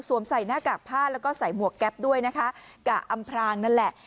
ใส่หน้ากากผ้าแล้วก็ใส่หมวกแก๊ปด้วยนะคะกะอำพรางนั่นแหละ